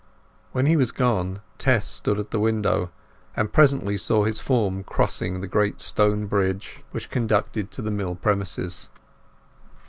When he was gone Tess stood at the window, and presently saw his form crossing the great stone bridge which conducted to the mill premises.